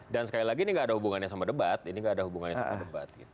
dan sekali lagi ini nggak ada hubungannya sama debat ini nggak ada hubungannya sama debat gitu